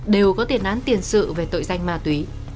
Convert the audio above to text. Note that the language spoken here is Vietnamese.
đều có tiền án tiền sự về tội danh ma túy